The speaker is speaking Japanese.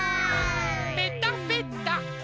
ぺたぺた。